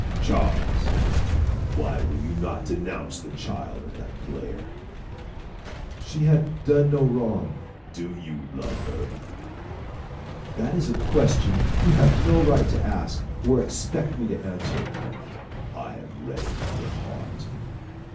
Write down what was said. Charles, why will you not denounce the child of that player?" "She hath done no wrong." "Do you love her?" "That is a question you have no right to ask, or expect me to answer." "I have read it in your heart."